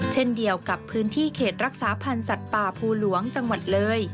เช่นเดียวกับพื้นที่เขตรักษาพันธ์สัตว์ป่าภูหลวงจังหวัดเลย